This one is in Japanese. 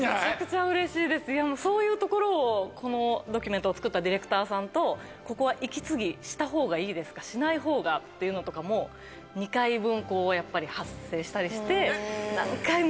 そういうところをこのドキュメントを作ったディレクターさんとここは息継ぎしたほうがいいですかしないほうがっていうのとかも２回分発声したりして。